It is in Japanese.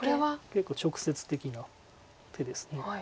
結構直接的な手です。